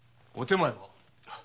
お手前は？